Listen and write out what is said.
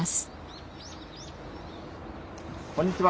こんにちは。